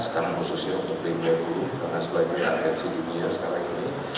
sekarang khususnya untuk b dua puluh karena sebaiknya artian si dunia sekarang ini